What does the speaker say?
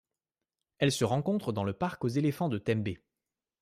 Elle se rencontre dans le parc aux éléphants de Tembe.